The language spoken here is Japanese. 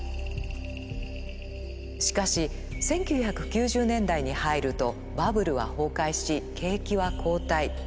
しかし１９９０年代に入るとバブルは崩壊し景気は後退。